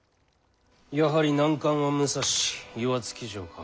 やはり難関は武蔵岩付城か。